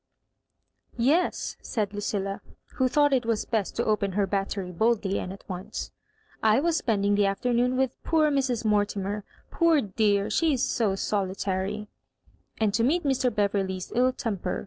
" Yes," said Lucilla, who thought it was best to open her batteiy boldly and at once. " I was spending the afternoon with poor Mrs. Mortimer ; poor dear, she is so solitary I " and to meet Mr. Beverle^^s ill temper.